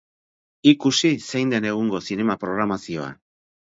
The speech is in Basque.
Ikusi zein den egungo zinema-programazioa!